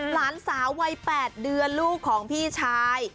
หลานสาววัย๘เดือนลูกของพี่ชาย